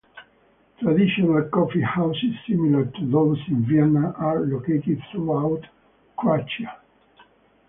Traditional coffee houses similar to those in Vienna are located throughout Croatia.